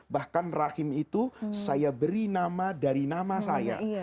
bahkan rahim itu saya beri nama dari nama saya